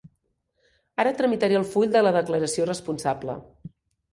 Ara tramitaré el full de la declaració responsable.